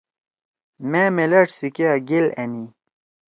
مأ میلأݜ سی کیا گیل آنِئی۔